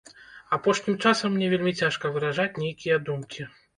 Апошнім часам мне вельмі цяжка выражаць нейкія думкі.